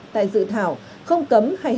tại dự thảo không cấm hay hạn